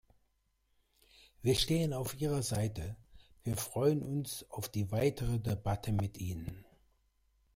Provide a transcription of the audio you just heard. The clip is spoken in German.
Wir stehen auf Ihrer Seite, wir freuen uns auf die weitere Debatte mit Ihnen!